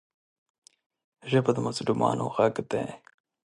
ژبه د مظلومانو غږ دی